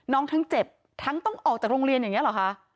ทั้งเจ็บทั้งต้องออกจากโรงเรียนอย่างนี้เหรอคะ